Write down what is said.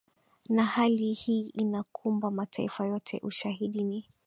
na hali hii inakumba mataifa yote Ushahidi ni